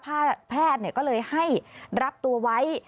แพทย์ก็เลยให้รับตัวไว้